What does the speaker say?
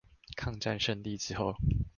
抗戰勝利之後